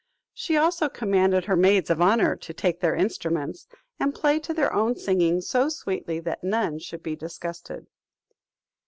She also commanded her maids of honour to take their instruments, and play to their own singing so sweetly that none should be disgusted.